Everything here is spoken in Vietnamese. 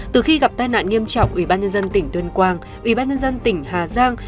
từ khi gặp tai nạn nghiêm trọng ủy ban nhân dân tỉnh tuyên quang ủy ban nhân dân tỉnh hà giang